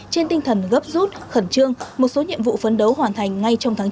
trên tinh thần gấp rút khẩn trương một số nhiệm vụ phấn đấu hoàn thành ngay trong tháng chín